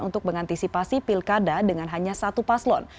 untuk mengantisipasi pilkada dengan hanya satu paslon